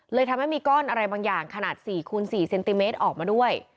เลยทำให้มีก้อนอะไรบางอย่างขนาด๔คูณ๔เซนติเมตรออกมาด้วย